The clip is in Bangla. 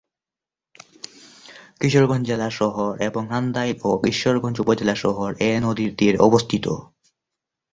কিশোরগঞ্জ জেলা শহর এবং নান্দাইল ও ঈশ্বরগঞ্জ উপজেলা শহর এ নদীর তীরে অবস্থিত।